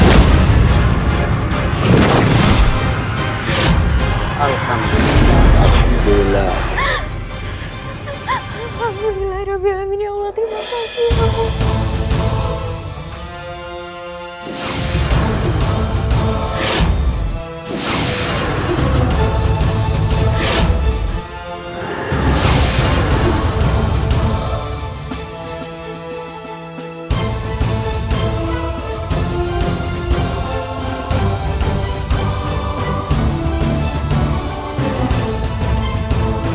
ya allah terima kasih